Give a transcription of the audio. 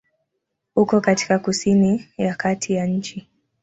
Uko katika kusini ya kati ya nchi.